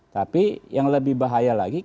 tapi yang lebih bahaya lagi